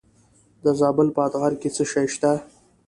د زابل په اتغر کې څه شی شته؟